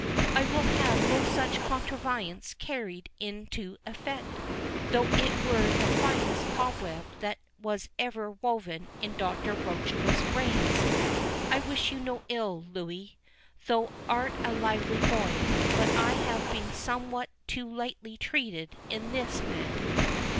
I will have no such contrivance carried into effect, though it were the finest cobweb that was ever woven in Doctor Rochecliffe's brains.—I wish you no ill, Louis; thou art a lively boy; but I have been somewhat too lightly treated in this, man."